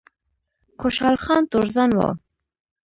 خوشحال خان تورزن و